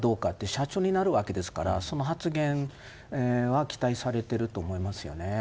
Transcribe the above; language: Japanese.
社長になるわけですからその発言は期待されてると思いますよね。